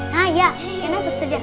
nah iya kenapa ustad